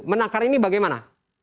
menangkar ini bagaimana